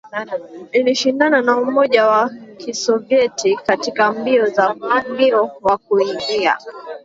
ilishindana na Umoja wa Kisovyeti katika mbio wa kuingia